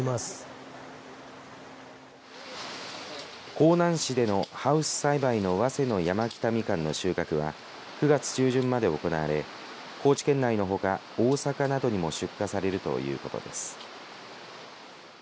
香南市でのハウス栽培のわせの山北みかんの収穫は９月中旬まで行われ高知県内のほか大阪などにも出荷されるということです。